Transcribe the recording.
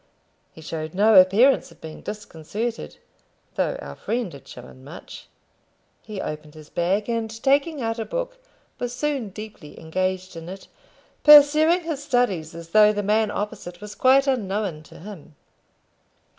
He showed no appearance of being disconcerted, though our friend had shown much. He opened his bag, and taking out a book was soon deeply engaged in it, pursuing his studies as though the man opposite was quite unknown to him.